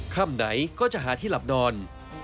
ค่ำไหนก็จะหาที่หลับนอน